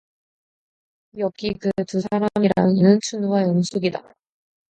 여기 그 두 사람이라는 이는 춘우와 영숙이다.